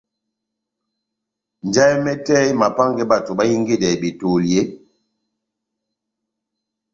Njahɛ mɛtɛ emapángɛ bato bahingedɛ betoli eeeh ?